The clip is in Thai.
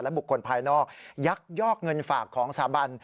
บุคคลภายนอกยักยอกเงินฝากของสถาบัน